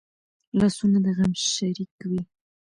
لاسونه د غم شریک وي